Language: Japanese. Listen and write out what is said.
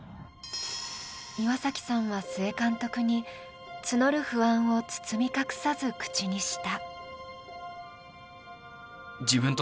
岩崎さんは須江監督に募る不安を包み隠さず口にした。